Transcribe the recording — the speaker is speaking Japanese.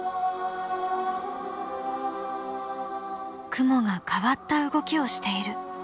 雲が変わった動きをしている。